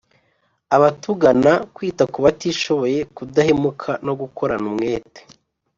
abatugana, kwita ku batishoboye, kudahemuka no gukorana umwete.